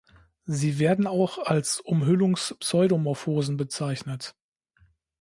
Sie werden auch als Umhüllungs-Pseudomorphosen bezeichnet.